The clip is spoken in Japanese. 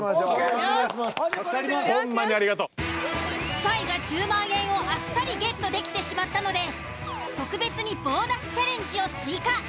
スパイが１０万円をあっさりゲットできてしまったので特別にボーナスチャレンジを追加。